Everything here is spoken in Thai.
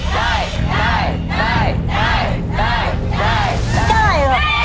ได้